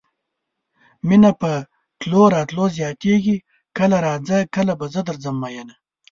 مينه په تلو راتلو زياتيږي کله راځه کله به زه درځم مينه